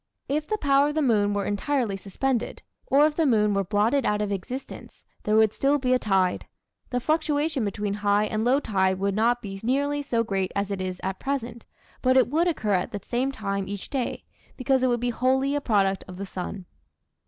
If the power of the moon were entirely suspended, or if the moon were blotted out of existence, there would still be a tide. The fluctuation between high and low tide would not be nearly so great as it is at present, but it would occur at the same time each day, because it would be wholly a product of the sun.